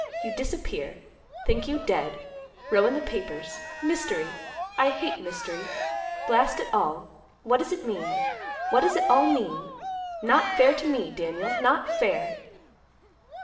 You disappear. Think you dead; row in the papers, mystery; I hate mystery. Blast it all; what does it mean, what does it all mean? Not fair to me, Daniel; not fair."